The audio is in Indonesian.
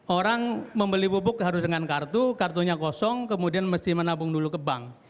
orang membeli pupuk harus dengan kartu kartunya kosong kemudian mesti menabung dulu ke bank